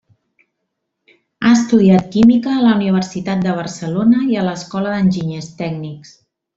Ha estudiat química a la Universitat de Barcelona i a l'Escola d'Enginyers Tècnics.